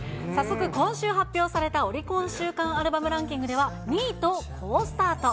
今週発表されたオリコン週間アルバムランキングでは２位と好スタート。